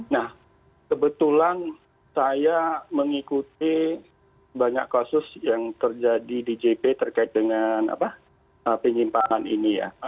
nah kebetulan saya mengikuti banyak kasus yang terjadi di jp terkait dengan penyimpangan ini ya